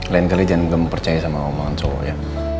lain kali jangan percaya sama omongan cowok ya